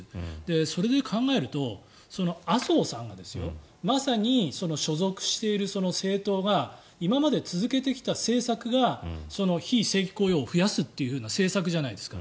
それで考えると、麻生さんがまさに所属している政党が今まで続けてきた政策が非正規雇用を増やすという政策じゃないですか。